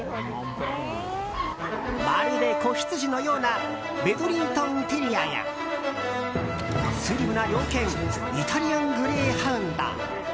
まるで子羊のようなベドリントン・テリアやスリムな猟犬イタリアン・グレーハウンド。